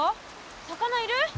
魚いる？